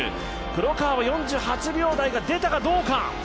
黒川は４８秒台が出たかどうか。